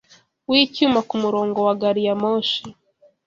wicyuma ku murongo wa gari ya moshi